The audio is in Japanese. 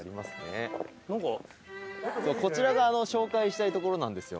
こちらが紹介したい所なんですよ。